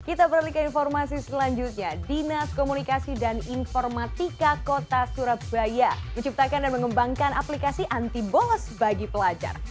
kita beralih ke informasi selanjutnya dinas komunikasi dan informatika kota surabaya menciptakan dan mengembangkan aplikasi anti bolos bagi pelajar